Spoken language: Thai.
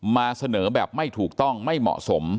มาเสนอแบบไม่ถูกต้องไม่เหมาะสม